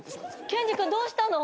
ケンジ君どうしたの？